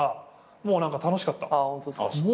もう楽しかった。